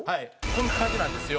こんな感じなんですよ。